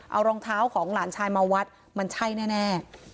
เอารองเท้าของหลานชายมาวัดมันใช่แน่